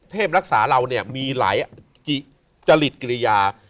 รักษาเราเนี่ยมีหลายจริตกิริยา